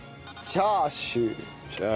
チャーシュー。